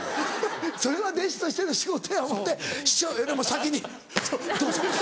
それは弟子としての仕事や思うて師匠よりも先に「どうぞ」。